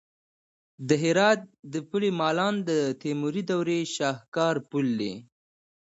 د هرات د پل مالان د تیموري دورې شاهکار پل دی